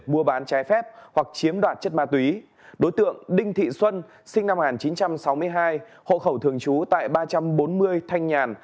mua bán trái phép hoặc chiếm đoạt chất ma túy đối tượng đinh thị xuân sinh năm một nghìn chín trăm sáu mươi hai hộ khẩu thường trú tại ba trăm bốn mươi thanh nhàn